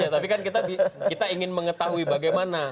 tapi kan kita ingin mengetahui bagaimana